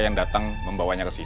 ini dia mbak ayesa